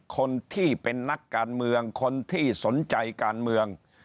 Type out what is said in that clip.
คนที่เป็นนักการเมืองคนที่สนใจการเมือง